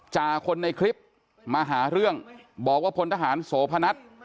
จากคนในคลิปมาหาเรื่องบอกว่าพลทหารโสพนัท